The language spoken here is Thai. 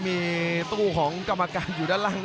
มีตู้ของกรรมการอยู่ด้านล่าง